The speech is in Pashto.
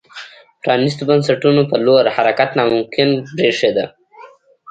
پرانیستو بنسټونو په لور حرکت ناممکن برېښېده.